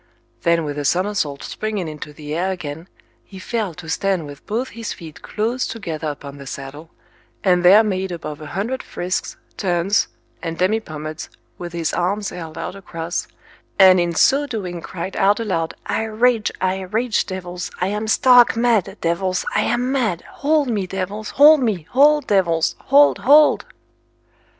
Then with a somersault springing into the air again, he fell to stand with both his feet close together upon the saddle, and there made above a hundred frisks, turns, and demipommads, with his arms held out across, and in so doing cried out aloud, I rage, I rage, devils, I am stark mad, devils, I am mad, hold me, devils, hold me, hold, devils, hold, hold!